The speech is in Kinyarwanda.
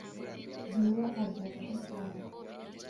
Nkuba akajya aca ubwatsi,